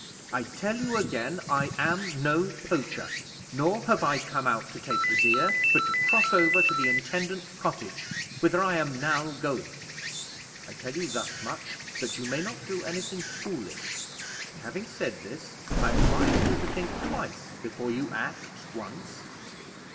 I tell you again, I am no poacher, nor have I come out to take the deer, but to cross over to the intendant's cottage, whither I am now going. I tell you thus much, that you may not do any thing foolish; and having said this, I advise you to think twice before you act once.